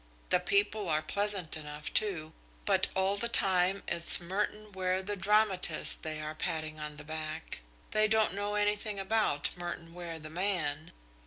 The people are pleasant enough, too, but all the time it's Merton Ware the dramatist they are patting on the back. They don't know anything about Merton Ware the man.